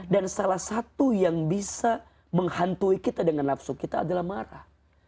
dan salah satu yang bisa menghantui kita dengan nafsu kita adalah marah